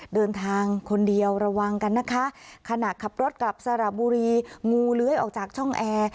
เดินทางคนเดียวระวังกันนะคะขณะขับรถกลับสระบุรีงูเลื้อยออกจากช่องแอร์